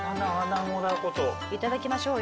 いただきましょうよ。